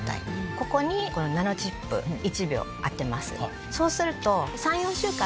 ここにこのナノチップ１秒当てます。